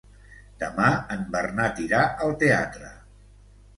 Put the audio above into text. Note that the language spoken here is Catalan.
Demà en Bernat irà al teatre.